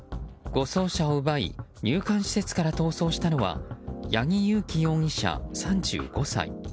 護送車を奪い入管施設から逃走したのは八木佑樹容疑者、３５歳。